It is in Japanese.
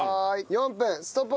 ４分。